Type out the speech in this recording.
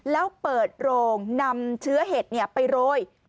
แล้วเปิดโรงนำเชื้อเห็ดไปโรย